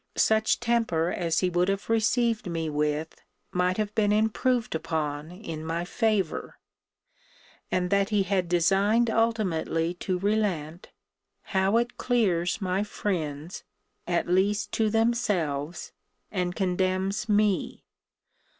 Such temper as he would have received me with might have been improved upon in my favour. And that he had designed ultimately to relent, how it clears my friends (at least to themselves) and condemns me!